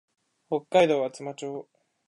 北海道厚真町